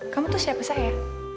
kamu tuh siapa saya